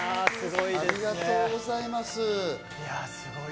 ありがとうございます。